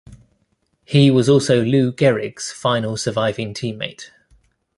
He was also Lou Gehrig's final surviving teammate.